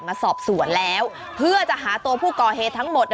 มาสอบสวนแล้วเพื่อจะหาตัวผู้ก่อเหตุทั้งหมด